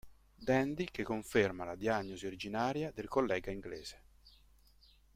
Dandy che conferma la diagnosi originaria del collega inglese.